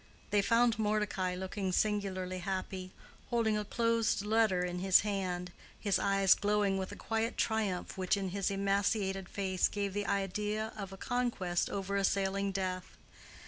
They found Mordecai looking singularly happy, holding a closed letter in his hand, his eyes glowing with a quiet triumph which in his emaciated face gave the idea of a conquest over assailing death.